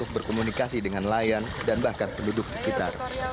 akhirnya saya bisa mencoba